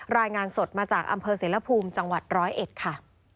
รายงานสดมาจากอำเภอเสรภูมิจังหวัดร้อยเอ็ดค่ะ